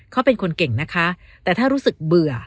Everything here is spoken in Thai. เขาเป็นคนเก่งนะคะแต่ถ้ารู้สึกเบื่อ